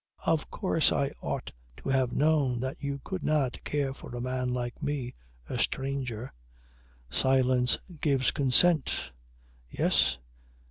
"Of course I ought to have known that you could not care for a man like me, a stranger. Silence gives consent. Yes?